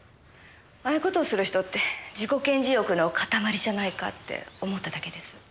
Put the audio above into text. ああいう事をする人って自己顕示欲の塊じゃないかって思っただけです。